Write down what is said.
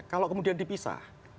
sejauh mana dipisah